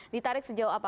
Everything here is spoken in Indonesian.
ditarik sejauh apa